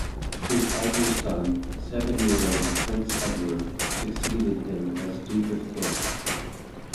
His elder son, seven-year-old Prince Edward, succeeded him as Duke of Kent.